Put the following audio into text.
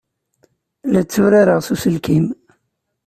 La tturareɣ s uselkim.